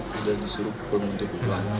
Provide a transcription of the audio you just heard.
sudah disuruh pukul mundur pukulan